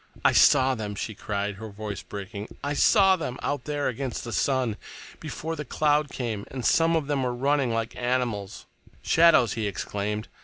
"I saw them," she cried, her voice breaking. "I saw them—out there against the sun—before the cloud came—and some of them were running, like animals—" "Shadows!" he exclaimed.